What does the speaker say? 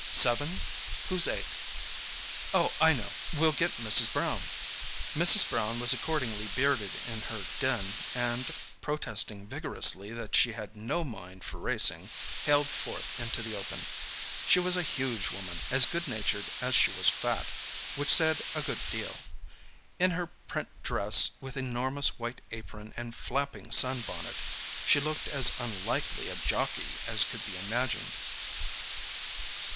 Seven. Who's eight? Oh, I know! We'll get Mrs. Brown." Mrs. Brown was accordingly bearded in her den and, protesting vigorously that she had no mind for racing, haled forth into the open. She was a huge woman, as good natured as she was fat, which said a good deal. In her print dress, with enormous white apron and flapping sun bonnet, she looked as unlikely a "jockey" as could be imagined.